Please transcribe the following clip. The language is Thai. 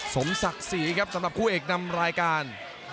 สมศักดิ์ศรีครับสำหรับคู่เอกนำรายการ